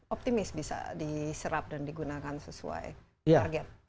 optimis bisa diserap dan digunakan sesuai target